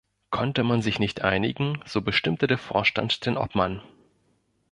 Konnte man sich nicht einigen, so bestimmte der Vorstand den Obmann.